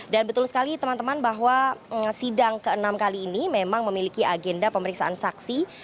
dan betul sekali teman teman bahwa sidang ke enam kali ini memang memiliki agenda pemeriksaan saksi